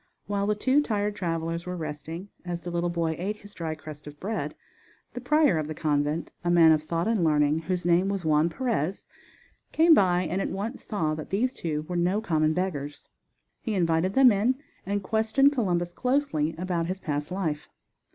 While the two tired travelers were resting, as the little boy ate his dry crust of bread, the prior of the convent, a man of thought and learning, whose name was Juan Perez, came by and at once saw that these two were no common beggars. He invited them in and questioned Columbus closely about his past life.